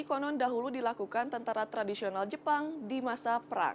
konon dahulu dilakukan tentara tradisional jepang di masa perang